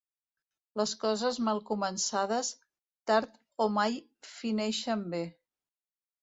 Les coses mal començades, tard o mai fineixen bé.